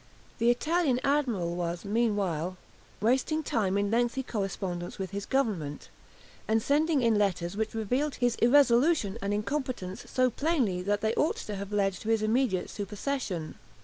The Italian admiral was meanwhile wasting time in lengthy correspondence with his Government, and sending it letters which revealed his irresolution and incompetence so plainly that they ought to have led to his immediate supersession.